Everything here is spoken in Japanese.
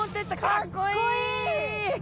かっこいい！